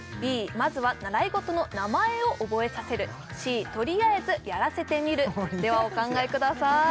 まずは習い事の名前を覚えさせるＣとりあえずやらせてみるではお考えください